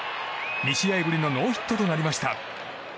２試合ぶりのノーヒットとなりました。